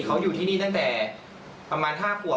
เขาอยู่ที่นี่ตั้งแต่ประมาณ๕ขวบ